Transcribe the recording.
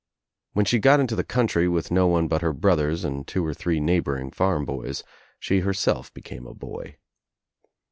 When she got into the country with no one but her brothers and two or three neighboring farm boys she herself became a boy.